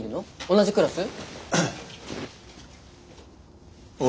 同じクラス？俺！